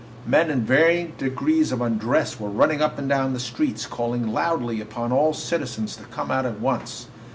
Men in varied degrees of undress were running up and down the streets calling loudly upon all citizens to come out at once.